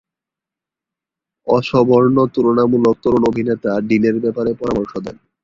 Osborne তুলনামূলক তরুণ অভিনেতা ডিনের ব্যাপারে পরামর্শ দেন।